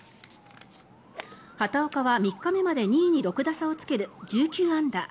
畑岡は３日目まで２位に６打差をつける１９アンダー。